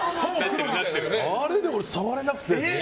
あれで触れなくて。